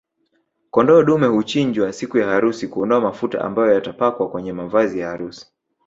Kondoo dume huchinjwa siku ya harusi kuondoa mafuta ambayo yatapakwa kwenye mavazi ya harusi